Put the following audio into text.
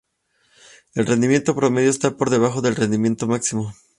El rendimiento promedio está por debajo del rendimiento máximo.